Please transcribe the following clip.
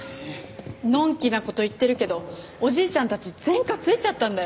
のんきな事言ってるけどおじいちゃんたち前科ついちゃったんだよ？